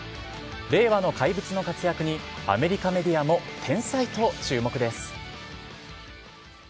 令和の怪物の活躍に、アメリカメディアも天才と注目です。